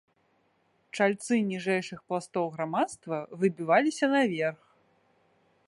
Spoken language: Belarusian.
Чальцы ніжэйшых пластоў грамадства выбіваліся наверх.